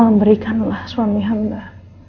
tolong berikanlah suami hamba